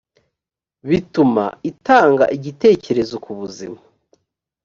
bituma itanga igitekerezo kubuzima